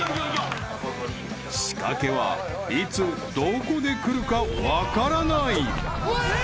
［仕掛けはいつどこでくるか分からない］